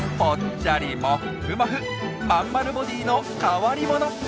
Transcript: まんまるボディーの変わり者。